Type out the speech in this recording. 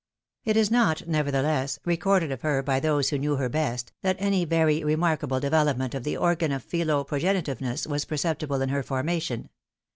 It is not, nevertheless, recorded of her by those who knew her best, that any very remarkable development of the organ of philo progenitiveness was perceptible in her formation.